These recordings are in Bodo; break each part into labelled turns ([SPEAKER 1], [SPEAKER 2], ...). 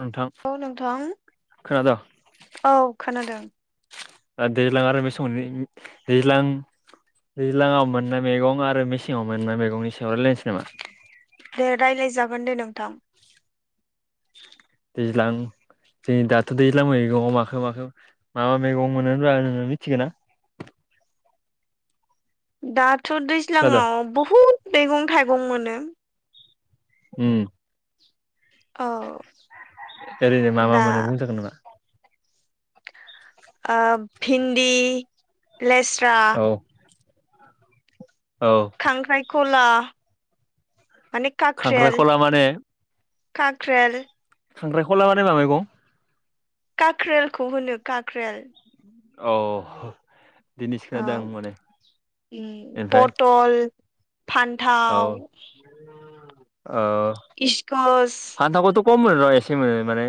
[SPEAKER 1] नोंथां
[SPEAKER 2] औ नोंथां
[SPEAKER 1] खोनादों
[SPEAKER 2] औ खोनादों
[SPEAKER 1] आरो दैज्लां आरो बे समाव दैज्लां दैज्लाङाव मोननाय मैगं आरो मेसेंआव मोननाय मैगंनि सायाव रायलायनोसै नामा?
[SPEAKER 2] दे राय्लायजागोन दे नोंथां
[SPEAKER 1] दैज्लां जों दाथ' दैज्लां मैगं माखो माखो मा मा मैगं मोनो मिथिगोना [inaudible]
[SPEAKER 2] दाथ'
[SPEAKER 1] खोनादों
[SPEAKER 2] दैज्लाङाव बुहुद मैगं थाइगं मोनो।
[SPEAKER 1] उम
[SPEAKER 2] औ
[SPEAKER 1] ओरैनो मा मा
[SPEAKER 2] दा
[SPEAKER 1] मोनो बुंजागोन नामा?
[SPEAKER 2] ओ भिन्दि, लेस्रा
[SPEAKER 1] औ औ
[SPEAKER 2] खांख्राइखला माने
[SPEAKER 1] खांख्रायखला माने?
[SPEAKER 2] काक्रेल
[SPEAKER 1] खांख्रायखला माने मा मैगं?
[SPEAKER 2] काक्रेलखौ होनो काक्रेल
[SPEAKER 1] औ दिनै सो
[SPEAKER 2] औ
[SPEAKER 1] खोनादों माने
[SPEAKER 2] उम
[SPEAKER 1] ओमफ्राय
[SPEAKER 2] पटल
[SPEAKER 1] औ
[SPEAKER 2] फान्थाव
[SPEAKER 1] ओ
[SPEAKER 2] इसकस
[SPEAKER 1] फान्थावखौथ' खम मोनो र एसे मोनो माने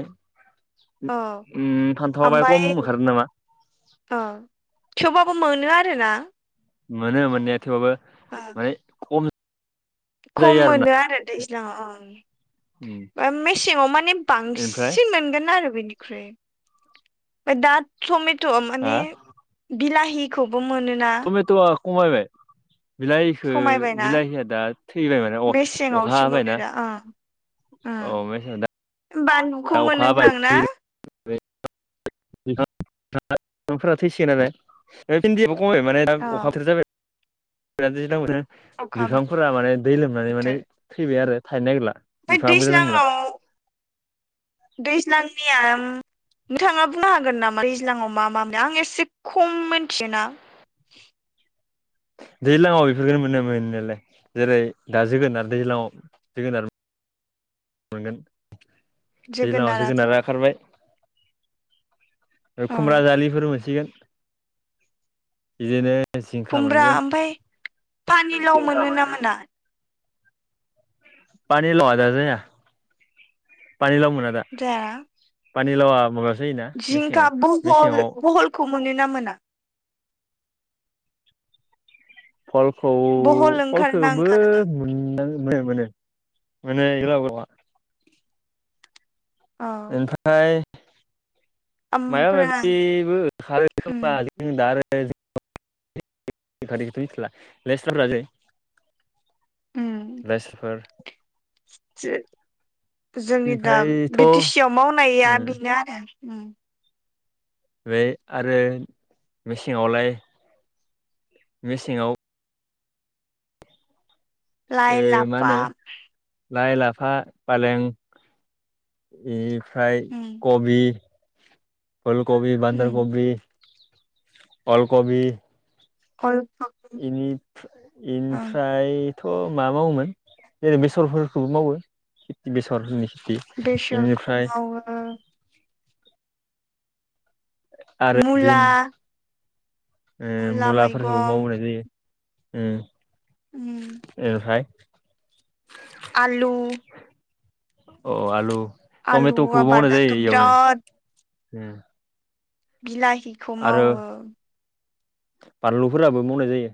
[SPEAKER 2] औ
[SPEAKER 1] उम फानथावा बाहाय खम ओंखारो नामा
[SPEAKER 2] ओ थेवबाबो मोनो आरो ना
[SPEAKER 1] मोनो मोननाया थेवबाबो माने खम
[SPEAKER 2] खम
[SPEAKER 1] जायो आरोना
[SPEAKER 2] मोनो आरो
[SPEAKER 1] उम
[SPEAKER 2] दैज्लांआव ओं मेसेङाव माने
[SPEAKER 1] ओमफ्राय
[SPEAKER 2] बांसिन मोनगोन आरो बेनि ओमफ्राय दा टमेट'
[SPEAKER 1] हा
[SPEAKER 2] माने बिलाहिखौ
[SPEAKER 1] टमेट'आ खमायबाय बिलाहिखो
[SPEAKER 2] खमायबायना
[SPEAKER 1] बिलाहिया दा थैबाय माने अ अखा
[SPEAKER 2] मेसेङावसो मोनो
[SPEAKER 1] हाबायनाा
[SPEAKER 2] दा ओं ओं
[SPEAKER 1] अम दा
[SPEAKER 2] बानलुखौ मोननो थांङोना
[SPEAKER 1] [unintelligible] खमाय माने दा
[SPEAKER 2] औ
[SPEAKER 1] अखा बोथोर जाबाय माने
[SPEAKER 2] अखा बोथोर
[SPEAKER 1] बिफांफोरा माने दै लोमनानै माने थैबाय आरो थाइनो नागिरला
[SPEAKER 2] बे
[SPEAKER 1] बिफाङाबो नांला
[SPEAKER 2] दैज्लांआव दैज्लांनिया नोंथाङा बुंनो हागोन नामा दैज्लांआव मा मा मोनो आं एसे खम मोनथियोना
[SPEAKER 1] [unintelligible] दैज्लाङाव बेफोरखौ मोनो मोननायालाय जेरै दा जोगोनार दैज्लाङाव जोगोनार मोनगोन दैज्लाङाव
[SPEAKER 2] जोगोनाराथ'
[SPEAKER 1] जोगोनारा ओंखारबाय
[SPEAKER 2] औ
[SPEAKER 1] खुमब्रा जालिफोर मोनसिगोन बिदिनो जिंखा
[SPEAKER 2] खुमब्रा
[SPEAKER 1] मोनगोन
[SPEAKER 2] ओमफ्राय पानिलाव मोनो ना मोना
[SPEAKER 1] पानि लावा दा जाया पानि लाव मोना दा
[SPEAKER 2] जाया
[SPEAKER 1] पानिलावा माबा
[SPEAKER 2] जिंखा बहल बहलखौ मोनोना मोना
[SPEAKER 1] फलखौ
[SPEAKER 2] बहल
[SPEAKER 1] फलखौबो
[SPEAKER 2] ओंखारनांगोन
[SPEAKER 1] मोन मोनो मोनो मोनो ऐइ गोलाव गोलावा
[SPEAKER 2] आरो
[SPEAKER 1] ओमफ्राय मारबा
[SPEAKER 2] ओमफ्राय
[SPEAKER 1] मायबिबो ओंखारो
[SPEAKER 2] उम
[SPEAKER 1] जों दा आरो [unintelligible] बेखौ मिनथिला लेस्राफोरा लेस्राफोर
[SPEAKER 2] जोंनि दा
[SPEAKER 1] ओमफ्रायथ'
[SPEAKER 2] बि टि सि आव मावनाया बेनो आरो। उम।
[SPEAKER 1] ओमफ्राय आरो मेसेङावलाय मेसेङाव ओ
[SPEAKER 2] लाइ
[SPEAKER 1] मा
[SPEAKER 2] लाफा
[SPEAKER 1] होनो लाइ लाफा फालें इनिफ्राय
[SPEAKER 2] उम
[SPEAKER 1] कबि। फुलकबि
[SPEAKER 2] उम
[SPEAKER 1] बान्दाकबि अलकबि।
[SPEAKER 2] अल
[SPEAKER 1] इनि इनिफ्राय थ' माबा मावोमोन जेरै बेसरफोरखौबो मावो खेथि बेसरनि।
[SPEAKER 2] बेसरखौ
[SPEAKER 1] इनिफ्राय
[SPEAKER 2] मावो
[SPEAKER 1] आरो बिन
[SPEAKER 2] मुला।
[SPEAKER 1] ओ
[SPEAKER 2] मुला
[SPEAKER 1] मुलाफोरखौबो
[SPEAKER 2] मैगं
[SPEAKER 1] मावबोनाय जायो
[SPEAKER 2] उम
[SPEAKER 1] ओ इनिफ्राय
[SPEAKER 2] आलु।
[SPEAKER 1] अ आलु
[SPEAKER 2] आलु
[SPEAKER 1] तमेट खौबो मावनाय जायो
[SPEAKER 2] आबादाथ'
[SPEAKER 1] इयावनो
[SPEAKER 2] बिराद
[SPEAKER 1] उम।
[SPEAKER 2] बिलाहिखौ
[SPEAKER 1] आरो
[SPEAKER 2] मावो।
[SPEAKER 1] बानलुफोराबो मावनाय जायो।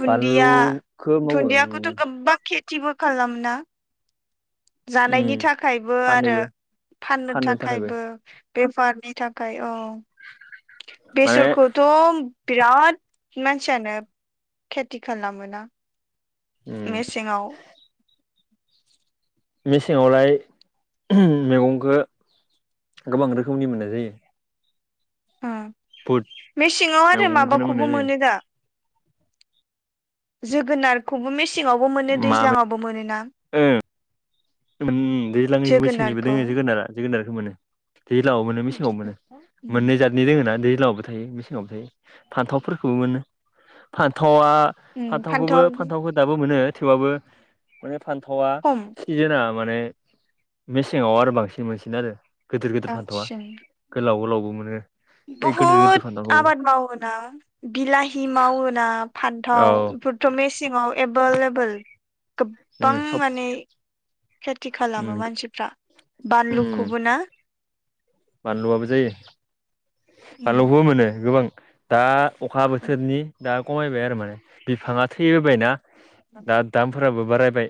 [SPEAKER 2] दुन्दिया
[SPEAKER 1] बानलुखो मावो
[SPEAKER 2] दुन्दियाखौथ' गोबां खेथिबो खालामना
[SPEAKER 1] उम
[SPEAKER 2] जानायनि थाखायबो आरो
[SPEAKER 1] फाननोबो
[SPEAKER 2] फाननो थाखायबो। बेफारनि थाखाय औ
[SPEAKER 1] माने
[SPEAKER 2] बेसरखौथ' बिराद मानसियानो खेथि खालामो ना।
[SPEAKER 1] उम। मेसेङावलाय मैगंखो गोबां रोखोमनि मोननाय जायो।
[SPEAKER 2] ओ
[SPEAKER 1] बुहुद
[SPEAKER 2] मेसेङाव आरो
[SPEAKER 1] मैगंखौनो मोननाय
[SPEAKER 2] माबाखौबो
[SPEAKER 1] जायो
[SPEAKER 2] मोनो दा। जोगोनारखौबो मेसेङावबो मोनो
[SPEAKER 1] मा
[SPEAKER 2] दैज्लाङावबो मोनोना।
[SPEAKER 1] ओ दैज्लांनि मेसेंनिबो
[SPEAKER 2] जोगोनारखौ
[SPEAKER 1] दोङो
[SPEAKER 2] उम
[SPEAKER 1] जोगोनारा जोगोनारखो मोनो। दैलाङाव मोनो मेसेङाव मोनो मोननै जादनि दोङोना दै लांआवबो थायो मेसेङावबो थायो फान्थावफोरखौबो मोनो फानथाव न्थावा
[SPEAKER 2] उम
[SPEAKER 1] फान्थावखौबो
[SPEAKER 2] फान्थाव
[SPEAKER 1] फान्थावखौ दाबो मोनो थेवबाबो माने फान्थावा
[SPEAKER 2] खम
[SPEAKER 1] ना माने मेसेंआव आरो बांसिन मोनसिनो आरो। गिदिर गिदिर फानथावा गोलाव गोलावबो मोनो। ओइ गिदिर गिदिर
[SPEAKER 2] बुहुद
[SPEAKER 1] फान्थावखौ
[SPEAKER 2] आबाद मावोना बिलााहि मावोना फान
[SPEAKER 1] औ
[SPEAKER 2] थाव बेफोरथ' मेसेंआव एभेलेबोल गोबां
[SPEAKER 1] उम सब
[SPEAKER 2] माने खेथि खालामो
[SPEAKER 1] उम
[SPEAKER 2] मानसिफ्रा
[SPEAKER 1] उम
[SPEAKER 2] बानलुखौबो ना।
[SPEAKER 1] बानलुआबो जायो
[SPEAKER 2] उम
[SPEAKER 1] बानलुखौबो मोनो गोबां दा अखा बोथोरनि दा खमायबाय आरो माने बिफाङा थैबोबायना दा दाम फोराबो बारायबाय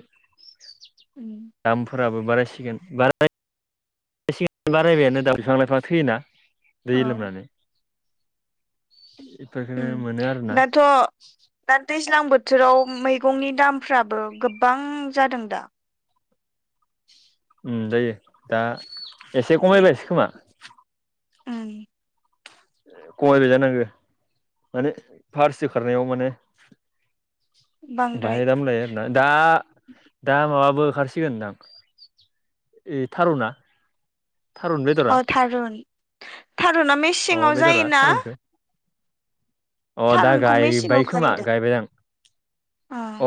[SPEAKER 2] उम
[SPEAKER 1] दामफोराबो बारायसिगोन बाराय सिगां बारायबायानो दाउ बिफां लाइफां थैयोना दै
[SPEAKER 2] औ
[SPEAKER 1] लोमनानै। [inaudible] मोनो आरोना
[SPEAKER 2] दाथ' दा दैज दैज्लां बोथोराव मैगंनि दामफ्राबो गोबां जादों दा।
[SPEAKER 1] उम जायो दा एसे
[SPEAKER 2] माने
[SPEAKER 1] खमायबायसो खोमा।
[SPEAKER 2] उम।
[SPEAKER 1] खमायबाय जानांगो माने फारसि खारनायाव माने
[SPEAKER 2] बांद्राय
[SPEAKER 1] बाहेरामलाय आर ना दा दा माबा बो होखारसिगोनदां इ थारुना। थारुन
[SPEAKER 2] अ
[SPEAKER 1] बेदरा
[SPEAKER 2] थारुन थारुना मेसेंयाव
[SPEAKER 1] अ बेदरा
[SPEAKER 2] जायोना?
[SPEAKER 1] थारुनखौ अ दा
[SPEAKER 2] थारुनखौ
[SPEAKER 1] गायबाय
[SPEAKER 2] मेसेङाव
[SPEAKER 1] खोमा
[SPEAKER 2] गायो दा
[SPEAKER 1] गायबाय आं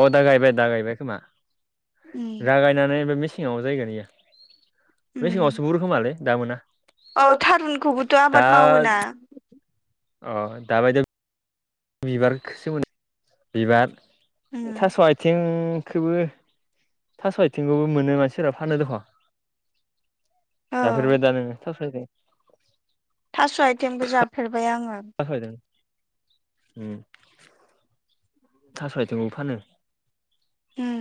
[SPEAKER 1] अ दा गायबाय दा गायबाय गायबाय खोमा
[SPEAKER 2] उम
[SPEAKER 1] दा गायनानै बे मेसेङाव जायगोन इयो
[SPEAKER 2] उम
[SPEAKER 1] बे सिगाङावसो बुरो खोमालै दा मोना
[SPEAKER 2] औ थारुनखौबोथ
[SPEAKER 1] दा
[SPEAKER 2] आबाद मावो ना?
[SPEAKER 1] अ दाबायदियाव बिबारखोसो मोनो बिबार
[SPEAKER 2] उम
[SPEAKER 1] थास आयथिं खौबो थास आथिंखौबो मोनो मानसिफोरा फानो दख
[SPEAKER 2] औ
[SPEAKER 1] जाफेरबादा नों थास आइथिं
[SPEAKER 2] थास आइटेमबो जाफेरबाय आङो
[SPEAKER 1] थास' आथिं उम थास आथिंबो फानो
[SPEAKER 2] उम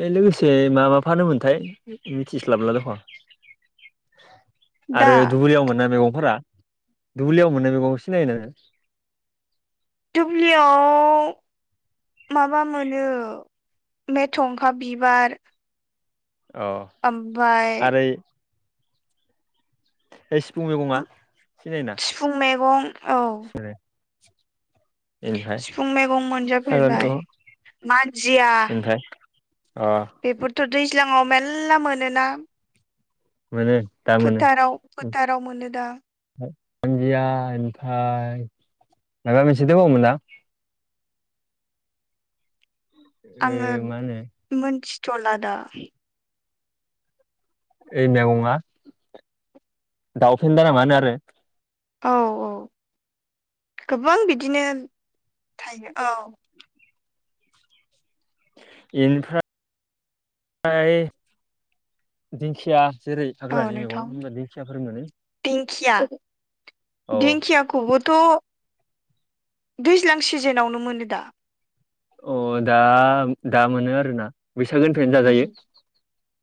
[SPEAKER 1] बे लोगोस से मा मा फानो मोनथाय मिथिस्लाबला दख
[SPEAKER 2] दा
[SPEAKER 1] आरो धुबुरियाव मोनो मेगं फोरा दुब्लियाव मोननाय मेगंखौ सिनायो नोङो?
[SPEAKER 2] दुब्लियाव माबा मोनो मेथंखा बिबार
[SPEAKER 1] अ
[SPEAKER 2] ओमफ्राय
[SPEAKER 1] आरै ए सिफुं मैगङा सिनायो ना
[SPEAKER 2] सिफुं मैगं औ
[SPEAKER 1] सिनाय
[SPEAKER 2] सिफुं मैगं
[SPEAKER 1] हाग्रानि
[SPEAKER 2] मोनजाफेरबाय
[SPEAKER 1] मैगं
[SPEAKER 2] मानजिया
[SPEAKER 1] ओमफ्राय अ
[SPEAKER 2] बेफोरथ दैज्लाङाव मेल्ला मोनोना
[SPEAKER 1] मानो दामोनो
[SPEAKER 2] टाराव मोनो दा
[SPEAKER 1] मानजिया ओमफ्राय माबा मोनसे दंबावोमोन ना?
[SPEAKER 2] आङो
[SPEAKER 1] ओ मा होनो
[SPEAKER 2] मोनथिथला आदा
[SPEAKER 1] ओइ मैगंआ दाउ फेनदा ना मा होनो आरो
[SPEAKER 2] औ औ गोबां बिदिनो थायो औ
[SPEAKER 1] एनिफ्राय दिंखिया जेरै
[SPEAKER 2] औ
[SPEAKER 1] हाग्रानि मैगं होनबा दिेखिया फोर मोनो
[SPEAKER 2] खिया
[SPEAKER 1] औ
[SPEAKER 2] दिंखियाखौबो थ दैज्लां सिजेनावनो मोनो दा
[SPEAKER 1] अ दा दा मोनो आरोना बैसागोनिफ्रायनो
[SPEAKER 2] उम
[SPEAKER 1] जाजायो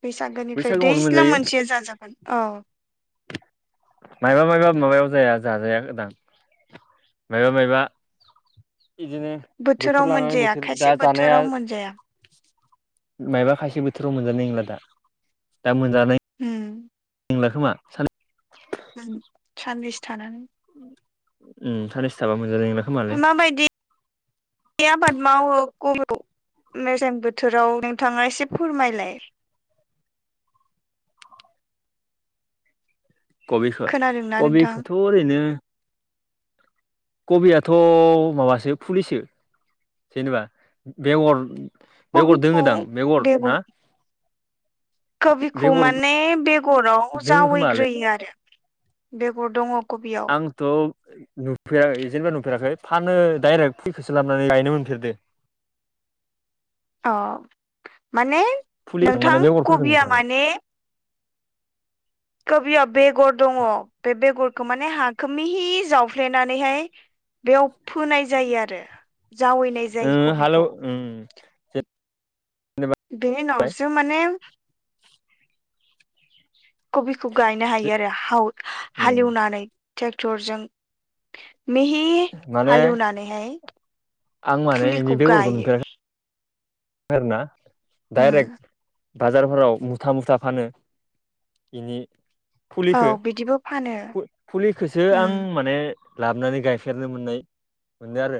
[SPEAKER 2] बैसागोनिफ्राय
[SPEAKER 1] बैसागोआवनो
[SPEAKER 2] दैज्लां
[SPEAKER 1] मोनजायो
[SPEAKER 2] मोनसेया जाजागोन औ
[SPEAKER 1] मायबा मायबा माबायाव जाया जाजाया दां माइबा माइबा इदिनो
[SPEAKER 2] बोथोराव
[SPEAKER 1] बोथोर लानानै
[SPEAKER 2] मोनजाया
[SPEAKER 1] बोथोर
[SPEAKER 2] खायसे
[SPEAKER 1] दा जानाया
[SPEAKER 2] बोथोराव मोनजाया
[SPEAKER 1] मायबा खायसे बोथोराव मोनजानाय नोंला दा दा मोनजा
[SPEAKER 2] उम
[SPEAKER 1] नंला खोमा सान
[SPEAKER 2] सान साननैसो थानानै
[SPEAKER 1] उम सननैसोथाबा मोनजानाय नोंला खोमालै
[SPEAKER 2] माबायदि आबाद मावो कबिखौ मेसें बोथोराव नोंथाङा एसे फोरमायलाय
[SPEAKER 1] [inaudible] कबिखो
[SPEAKER 2] खोनादोंना नोंथां
[SPEAKER 1] कबिखोथ ओरैनो कबियाथ माबासो फुलिसो जेनेबा बेगर बेगर
[SPEAKER 2] कबिखौ
[SPEAKER 1] दोङोदां बेगर ना?
[SPEAKER 2] कबिखौ
[SPEAKER 1] बेगर
[SPEAKER 2] माने बेगराव
[SPEAKER 1] दोङो खोमालै
[SPEAKER 2] जावैग्रोयो आरो बेगर दङ कबियाव
[SPEAKER 1] आंथ' नुफेराखै जेनेबा नुफेराखै फानो डाइरेक्ट फुलिखोसो लाबनानै गायनो मोनफेरदो [inaudible]
[SPEAKER 2] औ माने
[SPEAKER 1] फुलि
[SPEAKER 2] नोंथां
[SPEAKER 1] माने बेगरफोरखौ
[SPEAKER 2] कबिया
[SPEAKER 1] नुफेराखै
[SPEAKER 2] माने कबियाव बेगर दङ' बे बेगरखौ माने हाखो मिहि जावफ्लेनानैहाय बेयाव फोनाय जायो आरो जावैनाय जायो कबिखौ
[SPEAKER 1] जे
[SPEAKER 2] बे उनावसो माने कबि बखौ गायनो हायो आरो हावल
[SPEAKER 1] उम
[SPEAKER 2] हालेवनानै ट्रेक्टरजों मेहि
[SPEAKER 1] माने
[SPEAKER 2] हालेवनानैहाय
[SPEAKER 1] आं माने
[SPEAKER 2] फुलिखौ गायो
[SPEAKER 1] ना
[SPEAKER 2] उम
[SPEAKER 1] डाइरेक्ट बाजारफोराव मुथा मुथा फानो इनि
[SPEAKER 2] औ
[SPEAKER 1] फुलिखो
[SPEAKER 2] बिदिबो फानो
[SPEAKER 1] फु फुलिखोसो
[SPEAKER 2] उम
[SPEAKER 1] आं माने लाबोनानै गायफेरनो मोननाय मोनदो आरो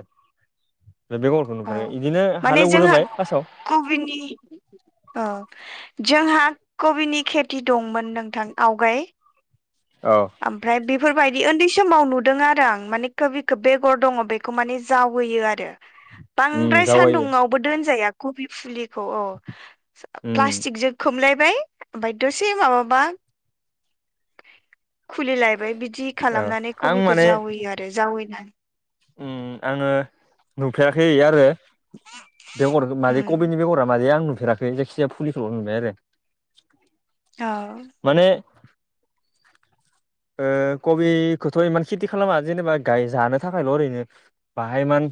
[SPEAKER 1] बे बेगरखौ
[SPEAKER 2] औ
[SPEAKER 1] नुफेराखै इदिनो
[SPEAKER 2] माने जोंहा
[SPEAKER 1] हालेवग्रोबाय फार्स्टआव
[SPEAKER 2] कबिनि ओ जोंहा कबिनि खेथि दंमोन नोंथां आवगाय ओमफ्राय बे बेफोरबायदि उन्दै समाव नुदों आरो आं माने कबिखौ बेगर दङ' बेखौ माने जावहोयो आरो
[SPEAKER 1] उम
[SPEAKER 2] बांद्राय
[SPEAKER 1] जावायो
[SPEAKER 2] सान्दुङावबो दोनजाया कबि फुलि खौ औ
[SPEAKER 1] उम
[SPEAKER 2] प्लासतिकजों खोमलेप बाय बाय द'से माबाबा खुलिलायबाय बिदि
[SPEAKER 1] औ
[SPEAKER 2] खालामनानै
[SPEAKER 1] आं
[SPEAKER 2] कबिखौ
[SPEAKER 1] माने
[SPEAKER 2] जावैयो आरो जावैनानै
[SPEAKER 1] उम आङो नुफेराखै आरो बेगरखौ मादि
[SPEAKER 2] उम
[SPEAKER 1] कबिनि बेगरा मादि आं नुफेराखै जायखिजाया फुलिखौल' नुबाय आरो
[SPEAKER 2] औ
[SPEAKER 1] माने ओ कबिखौथ' इमान खेथि खालामा जेनेबा गाय जानो थाखायल' ओरैनो बाहायमान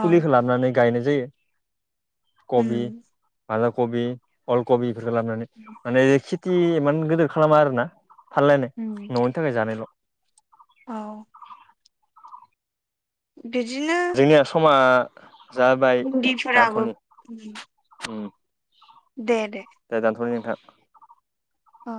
[SPEAKER 2] औ
[SPEAKER 1] फुलिखौ लाबोनानै गायनाय जायो कबि
[SPEAKER 2] उम
[SPEAKER 1] माला खबि अलकबि बेफोरखौ लाबानै माने खेथि इमान गिदिर खालामा आरोना फानलाय
[SPEAKER 2] उम
[SPEAKER 1] न'नि थाखाय जानायल'
[SPEAKER 2] औ बिदिनो
[SPEAKER 1] जोंनिया समा जाबाय
[SPEAKER 2] भिन्दिफोराबो
[SPEAKER 1] दानथ'नि उम दे दानथनि नोंथां
[SPEAKER 2] अ